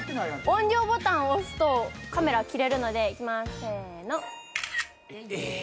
音量ボタン押すとカメラ切れるのでいきますせーのえ